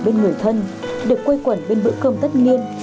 bên người thân được quây quẩn bên bữa cơm tất nhiên